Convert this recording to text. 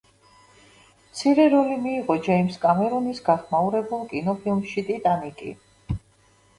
მცირე როლი მიიღო ჯეიმზ კამერონის გახმაურებულ კინოფილმში „ტიტანიკი“.